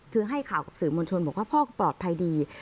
คือให้ข่าวกับสื่อมวลชนบอกว่าพ่อก็ปลอดภัยดี